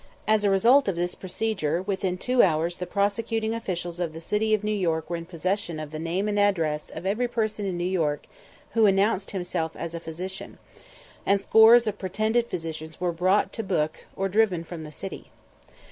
As a result of this procedure, within two hours the prosecuting officials of the city of New York were in possession of the name and address of every person in New York who announced himself as a physician; and scores of pretended physicians were brought to book or driven from the city.